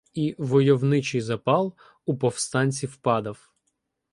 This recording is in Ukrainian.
І войовничий запал у повстанців падав.